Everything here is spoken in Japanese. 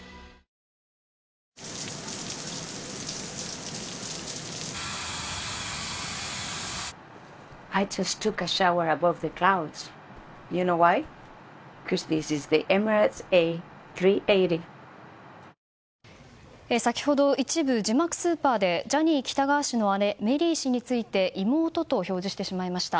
睡眠サポート「グリナ」先ほど一部字幕スーパーでジャニー喜多川氏の姉メリー氏について妹と表示してしまいました。